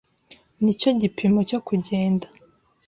Nicyo gipimo cyo kugenda.